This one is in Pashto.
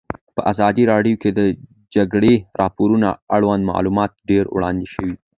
په ازادي راډیو کې د د جګړې راپورونه اړوند معلومات ډېر وړاندې شوي.